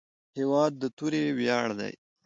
هېواد د توري ویاړ دی.